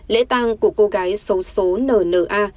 lễ tàng của cô gái xấu xố n n a